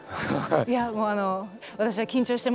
いやもうあの私は緊張してます。